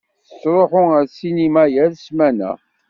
Tettṛuḥu ar ssinima yal ssmana.